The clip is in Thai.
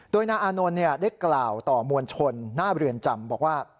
โดยนายอานนท์ได้กล่าวต่อมวลชนหน้าเรือนจำบอกว่า